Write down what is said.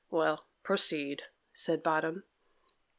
"Well, proceed," said Bottom.